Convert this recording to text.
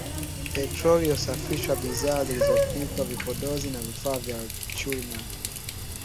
petroli iliyosafishwa, bidhaa zilizopikwa, vipodozi na vifaa vya chuma